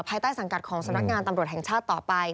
ภายใต้สังกัดของสำนักงานตำรวจแห่งชาติต่อไป